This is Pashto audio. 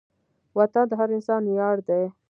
وطن د هر انسان ویاړ دی.